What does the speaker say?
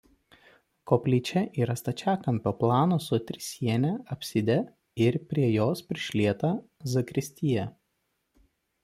Koplyčia yra stačiakampio plano su trisiene apside ir prie jos prišlieta zakristija.